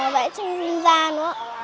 vẽ tranh dân gian